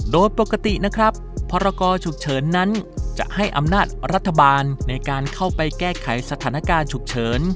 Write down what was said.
โดยปกตินะครับพรกรฉุกเฉินนั้นจะให้อำนาจรัฐบาลในการเข้าไปแก้ไขสถานการณ์ฉุกเฉิน